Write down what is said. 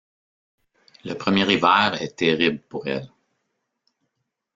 Le premier hiver est terrible pour elle.